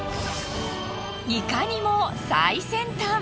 いかにも最先端！